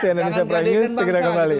si anadolisa prime news segera kembali